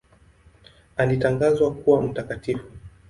Alitangazwa kuwa mtakatifu.